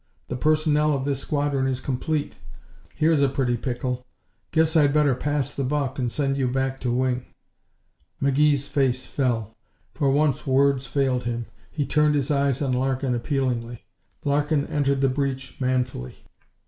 The personnel of this squadron is complete. Here's a pretty pickle! Guess I'd better pass the buck and send you back to Wing." McGee's face fell. For once words failed him. He turned his eyes on Larkin, appealingly. Larkin entered the breach manfully.